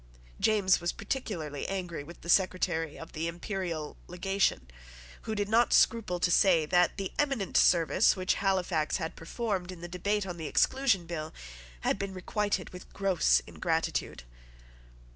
James was particularly angry with the secretary of the imperial legation, who did not scruple to say that the eminent service which Halifax had performed in the debate on the Exclusion Bill had been requited with gross ingratitude.